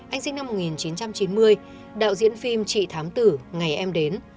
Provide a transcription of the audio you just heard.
anh sinh năm một nghìn chín trăm chín mươi đạo diễn phim chị thám tử ngày em đến